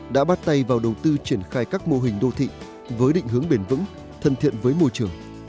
đã bắt tay vào đầu tư triển khai các mô hình đô thị với định hướng bền vững thân thiện với môi trường